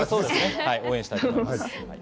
応援したいと思います。